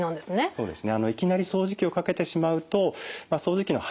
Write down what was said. そうですね